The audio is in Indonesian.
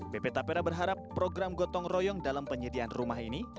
pp tapera berharap program gotong royong dalam penyediaan rumah ini